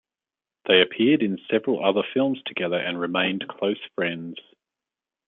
They appeared in several other films together and remained close friends.